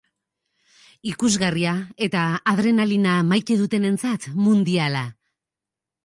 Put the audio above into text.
Ikusgarria eta adrenalina maite dutenentzat, mundiala.